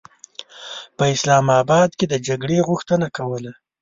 په اسلام اباد کې د جګړې غوښتنه کوله.